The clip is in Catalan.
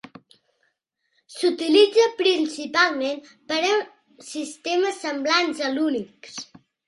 S'utilitza principalment per a sistemes semblants a l'Unix.